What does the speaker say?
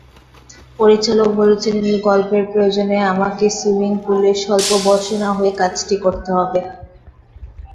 পরিচালক বলেছিলেন গল্পের প্রয়োজনে আমাকে সুইমিংপুলে স্বল্পবসনা হয়ে কাজটি করতে হবে।